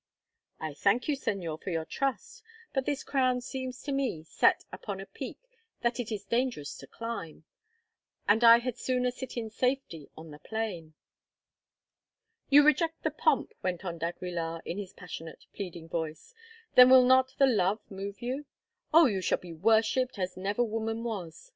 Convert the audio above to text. "I thank you, Señor, for your trust; but this crown seems to me set upon a peak that it is dangerous to climb, and I had sooner sit in safety on the plain." "You reject the pomp," went on d'Aguilar in his passionate, pleading voice, "then will not the love move you? Oh! you shall be worshipped as never woman was.